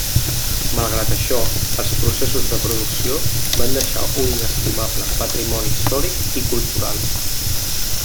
Malgrat això, els processos de producció van deixar un inestimable patrimoni històric i cultural.